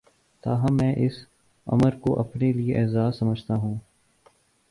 تاہم میں اس امر کو اپنے لیے اعزا ز سمجھتا ہوں